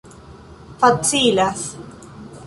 facilas